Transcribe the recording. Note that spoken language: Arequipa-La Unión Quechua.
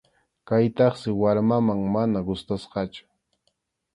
Kaytaqsi warmaman mana gustasqachu.